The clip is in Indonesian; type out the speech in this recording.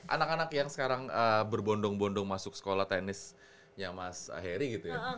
anak anak yang sekarang berbondong bondong masuk sekolah tenisnya mas heri gitu ya